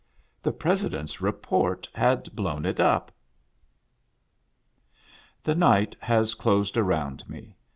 The President's Report had blown it up !*•»The night has closed around me.